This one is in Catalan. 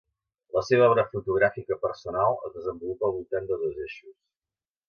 La seva obra fotogràfica personal es desenvolupa al voltant de dos eixos.